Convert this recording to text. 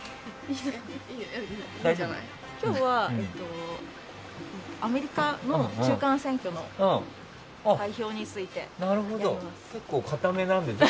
今日はアメリカの中間選挙の代表についてやります。